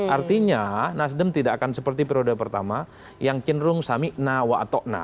artinya nasdem tidak akan seperti periode pertama yang cenderung samikna wa atokna ⁇